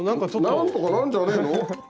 なんとかなるんじゃねぇの？